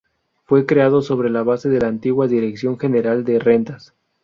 Fue creado sobre la base de la antigua Dirección General de Rentas.